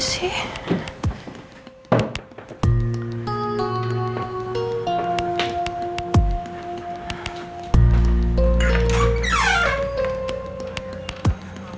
dimana cari foto papanya